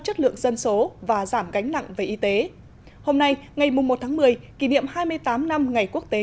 chất lượng dân số và giảm gánh nặng về y tế hôm nay ngày một tháng một mươi kỷ niệm hai mươi tám năm ngày quốc tế